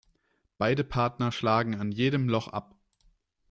Beide Partner schlagen an jedem Loch ab.